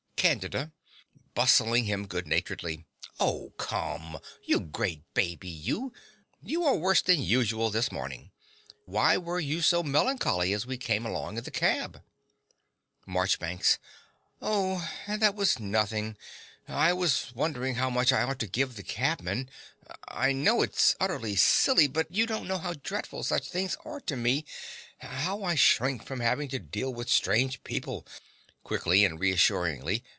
CANDIDA (bustling him goodnaturedly). Oh, come! You great baby, you! You are worse than usual this morning. Why were you so melancholy as we came along in the cab? MARCHBANKS. Oh, that was nothing. I was wondering how much I ought to give the cabman. I know it's utterly silly; but you don't know how dreadful such things are to me how I shrink from having to deal with strange people. (Quickly and reassuringly.)